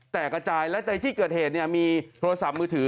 กระจายและในที่เกิดเหตุเนี่ยมีโทรศัพท์มือถือ